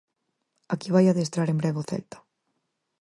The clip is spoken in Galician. Aquí vai adestrar en breve o Celta.